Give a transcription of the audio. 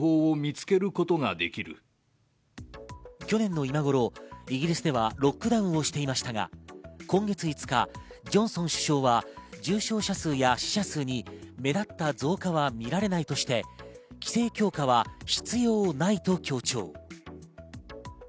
去年の今頃、イギリスではロックダウンをしていましたが、今月５日、ジョンソン首相は重症者数や死者数に目立った増加は見られないとして規制強化は必要ないと強調。